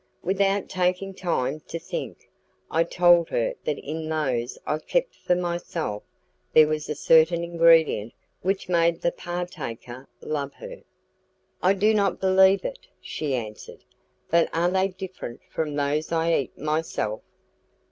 Without taking time to think, I told her that in those I kept for myself there was a certain ingredient which made the partaker love her. "I do not believe it," she answered; "but are they different from those I eat myself?"